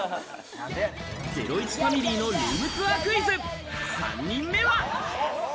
ゼロイチファミリーのルームツアークイズ、３人目は。